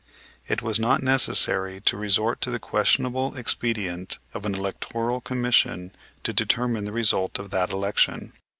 It was not necessary to resort to the questionable expedient of an electoral commission to determine the result of that election.